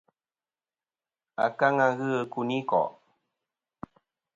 Akaŋa ghɨ i kuyniko'.